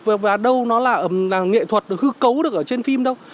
và đâu nó là nghệ thuật được hư cấu được ở trên phim đâu